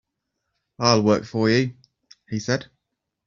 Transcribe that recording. "I'll work for you," he said.